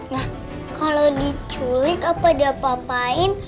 nah kalau diculik apa diapa apain